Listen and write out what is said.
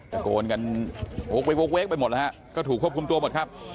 กระโกนกันโว๊คเว๊กโว๊คเว๊กไปหมดแล้วฮะก็ถูกควบคุมตัวหมดครับ